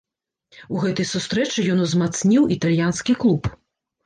У гэтай сустрэчы ён узмацніў італьянскі клуб.